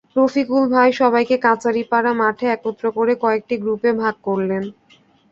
রফিকুল ভাই সবাইকে কাচারীপাড়া মাঠে একত্র করে কয়েকটি গ্রুপে ভাগ করলেন।